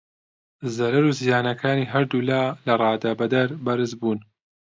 زەرەر و زیانەکانی هەردوو لا لە ڕادەبەدەر بەرز بوون.